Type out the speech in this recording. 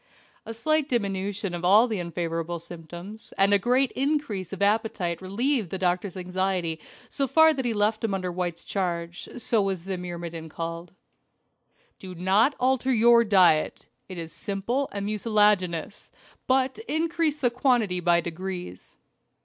A slight diminution of all the unfavorable symptoms, and a great increase of appetite relieved the doctor's anxiety so far that he left him under White's charge. So was the myrmidon called. "Do not alter your diet it is simple and mucilaginous but increase the quantity by degrees."